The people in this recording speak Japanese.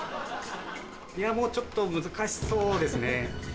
いやもうちょっと難しそうですね。